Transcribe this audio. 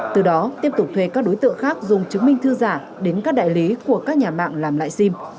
từ đó tiếp tục thuê các đối tượng khác dùng chứng minh thư giả đến các đại lý của các nhà mạng làm lại sim